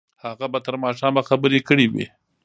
هغه به تر ماښامه خبرې کړې وي.